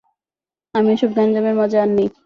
আমি এসব গ্যাঞ্জামের মাঝে আর নেই।